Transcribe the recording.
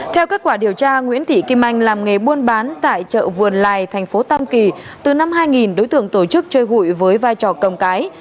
theo kết quả điều tra nguyễn thị kim anh làm nghề buôn bán tại chợ vườn lài thành phố tam kỳ từ năm hai nghìn đối tượng tổ chức chơi hụi với vai trò cầm cái